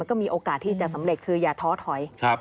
ก็มีโอกาสที่จะสำเร็จคืออย่าท้อถอย